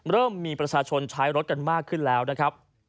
เริ่มมีประชาชนใช้รถกันมากขึ้นแล้วนะครับ